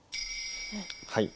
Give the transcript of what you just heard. はい。